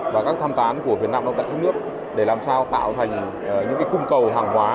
và các tham tán của việt nam đóng tại các nước để làm sao tạo thành những cung cầu hàng hóa